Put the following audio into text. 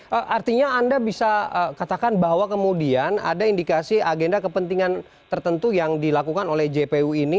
oke artinya anda bisa katakan bahwa kemudian ada indikasi agenda kepentingan tertentu yang dilakukan oleh jpu ini